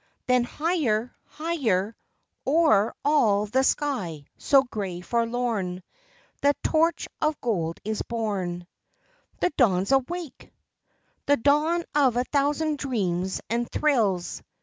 Then, higher, higher, O'er all the sky so gray, forlorn, The torch of gold is borne. The Dawn's awake! The dawn of a thousand dreams and thrills.